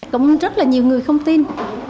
cũng rất là nhiều người không tin